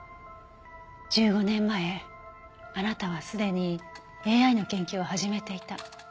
１５年前あなたはすでにＡＩの研究を始めていた。